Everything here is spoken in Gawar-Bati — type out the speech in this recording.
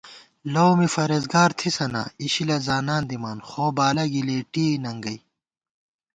لؤ می فرېزگار تھِسہ نا ، اِشِلہ زانان دِمان ، خو بالہ گِلېٹئیے ننگئ